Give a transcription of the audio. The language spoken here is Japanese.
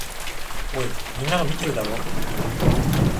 おい、みんなが見てるだろ。